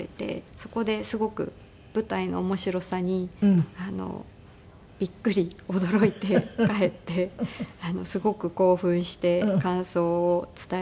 そこですごく舞台の面白さにびっくり驚いて帰ってすごく興奮して感想を伝えてくれて。